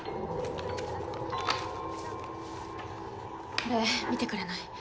これ見てくれない？